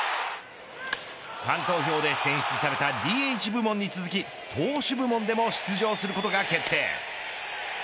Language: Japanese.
ファン投票で選出されたＤＨ部門に続き投手部門でも出場することが決定。